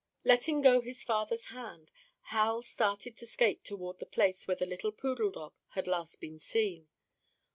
Letting go his father's hand, Hal started to skate toward the place where the little poodle dog had last been seen.